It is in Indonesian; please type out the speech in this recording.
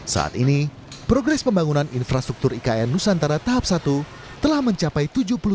saat ini progres pembangunan infrastruktur ikn nusantara tahap satu telah mencapai tujuh puluh lima